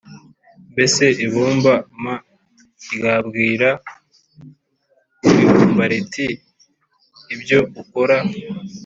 Mbese ibumba m ryabwira uribumba riti ibyo ukora